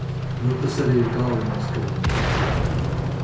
Nu tas arī ir galvenais, ka viņam patīk.